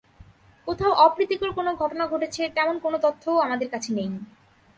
কোথাও অপ্রীতিকর কোনো ঘটনা ঘটেছে, তেমন কোনো তথ্যও আমাদের কাছে নেই।